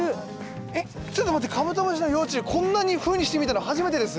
えっちょっと待ってカブトムシの幼虫こんなふうにして見たの初めてです。